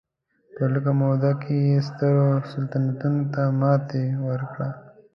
په لږه موده کې یې سترو سلطنتونو ته ماتې ورکړه.